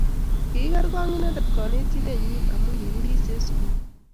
Kigerngong inendet konetindenyii amu kibiris eng sukul